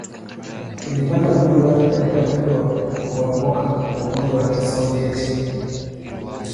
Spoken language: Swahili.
Ilipata uhuru wake katika mwendo wa kuporomoka kwa Umoja wa Kisovyeti.